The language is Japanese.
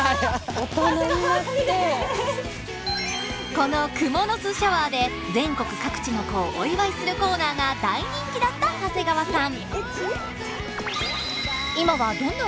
この「クモの巣シャワー」で全国各地の子をお祝いするコーナーが大人気だった長谷川さん。